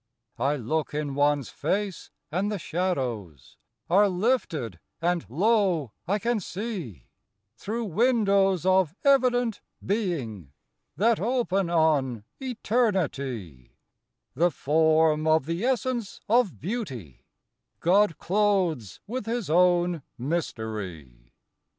I look in one's face, and the shadows Are lifted: and, lo, I can see, Through windows of evident being, That open on eternity, The form of the essence of Beauty God clothes with His own mystery.